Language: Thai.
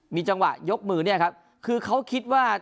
มีจังหวะยกมือเนี่ยครับคือเขาคิดว่า